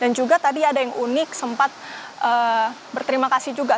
dan juga tadi ada yang unik sempat berterima kasih juga dan juga tadi ada yang unik sempat berterima kasih juga